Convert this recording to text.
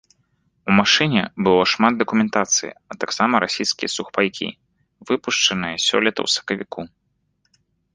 У машыне было шмат дакументацыі а таксама расійскія сухпайкі, выпушчаныя сёлета ў сакавіку.